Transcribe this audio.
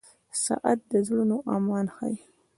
• ساعت د زړونو ارمان ښيي.